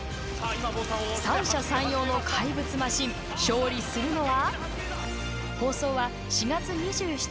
三者三様の怪物マシン勝利するのは？